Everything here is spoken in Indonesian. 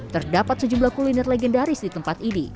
terdapat sejumlah kuliner legendaris di tempat ini